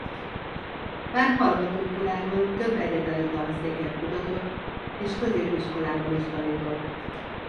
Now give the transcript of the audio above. Már hallgató korában több egyetemi tanszéken kutatott és középiskolában is tanított.